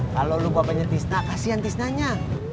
kalau lu bapaknya tisna kasihan tisnanya